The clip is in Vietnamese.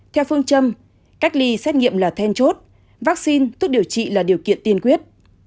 theo phương châm cách ly xét nghiệm là then chốt vaccine thuốc điều trị là điều kiện tiên quyết